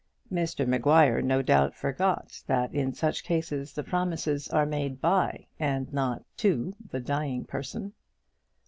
Mr Maguire, no doubt, forgot that in such cases the promises are made by, and not to, the dying person.